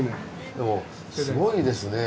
でもすごいですね。